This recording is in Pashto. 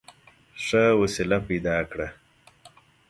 ښه وسیله پیدا کړه.